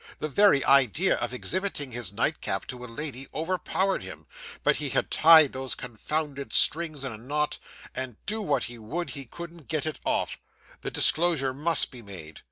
The very idea of exhibiting his nightcap to a lady overpowered him, but he had tied those confounded strings in a knot, and, do what he would, he couldn't get it off. The disclosure must be made.